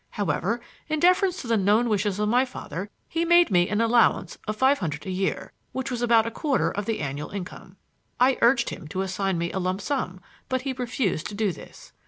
However, in deference to the known wishes of my father, he made me an allowance of five hundred a year, which was about a quarter of the annual income. I urged him to assign me a lump sum, but he refused to do this.